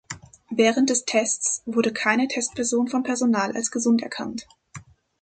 Während des Tests wurde keine Testperson vom Personal als gesund erkannt.